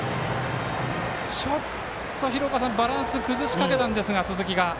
ちょっとバランス崩しかけたんですが、鈴木が。